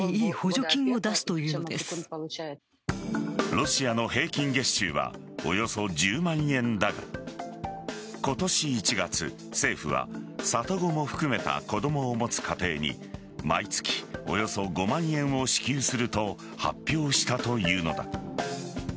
ロシアの平均月収はおよそ１０万円だが今年１月、政府は里子も含めた子供を持つ家庭に毎月およそ５万円を支給すると発表したというのだ。